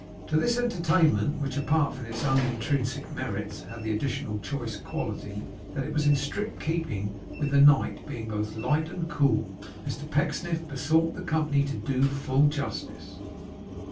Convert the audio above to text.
To this entertainment, which apart from its own intrinsic merits, had the additional choice quality, that it was in strict keeping with the night, being both light and cool, Mr Pecksniff besought the company to do full justice.